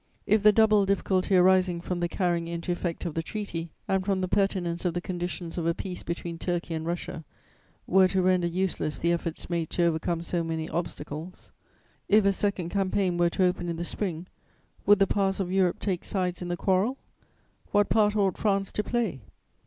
"If the double difficulty arising from the carrying into effect of the treaty and from the pertinence of the conditions of a peace between Turkey and Russia were to render useless the efforts made to overcome so many obstacles; if a second campaign were to open in the spring, would the powers of Europe take sides in the quarrel? What part ought France to play?